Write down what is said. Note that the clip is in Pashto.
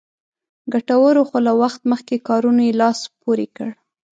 ګټورو خو له وخت مخکې کارونو یې لاس پورې کړ.